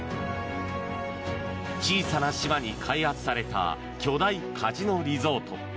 小さな島に開発された巨大カジノリゾート。